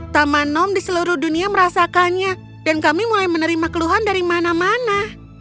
taman nom di seluruh dunia merasakannya dan kami mulai menerima keluhan dari mana mana